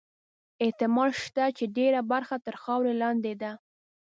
احتمال شته چې ډېره برخه تر خاورو لاندې ده.